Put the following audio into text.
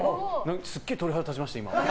すっげえ鳥肌立ちました、今。